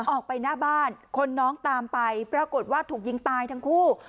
ออกไปหน้าบ้านคนน้องตามไปปรากฏว่าถูกยิงตายทั้งคู่